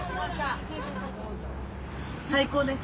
最高です！